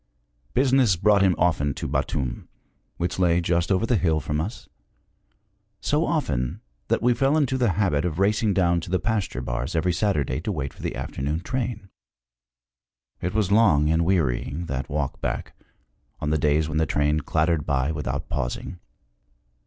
Business brought him often to Batum, which lay just over the hill from us so often that we fell into the habit of racing down to the pasture bars every Saturday to wait for the afternoon train. It was long and wearying, that walk back, on the days when the train clattered by without pausing.